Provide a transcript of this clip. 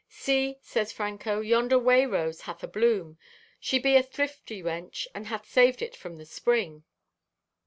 "See," says Franco, "Yonder way rose hath a bloom! She be a thrifty wench and hath saved it from the spring."